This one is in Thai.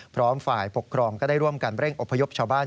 พร้อมฝ่ายปกครองก็ได้ร่วมกันเร่งอพยพชาวบ้าน